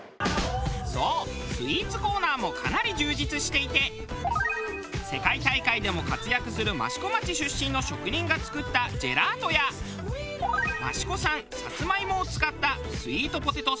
そうスイーツコーナーもかなり充実していて世界大会でも活躍する益子町出身の職人が作ったジェラートや益子産サツマイモを使ったスイートポテトスティックが人気。